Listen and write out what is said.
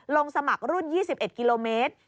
ลงสมัครรุ่น๒๑กิโลเมตร